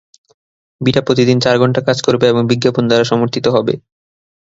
Beta প্রতিদিন চার ঘন্টা কাজ করবে এবং বিজ্ঞাপন দ্বারা সমর্থিত হবে।